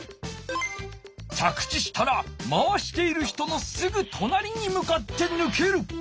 着地したら回している人のすぐとなりに向かってぬける。